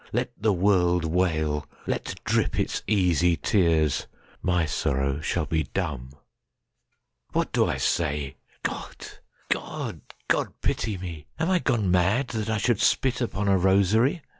Let the world wail! Let drip its easy tears! My sorrow shall be dumb!—What do I say? God! God!—God pity me! Am I gone madThat I should spit upon a rosary?